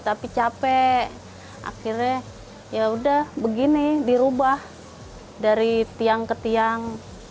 tapi capek akhirnya ya udah begini dirubah dari tiang ke tiang